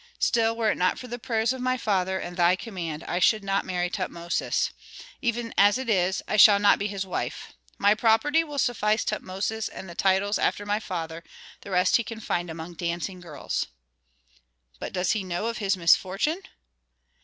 Still, were it not for the prayers of my father, and thy command I should not marry Tutmosis. Even as it is, I shall not be his wife. My property will suffice Tutmosis and the titles after my father; the rest he can find among dancing girls." "But does he know of his misfortune?"